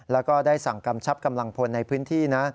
แล้วก็ได้สั่งกำชับกำลังพลในพื้นที่นะ